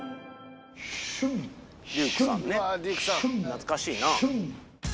懐かしいな。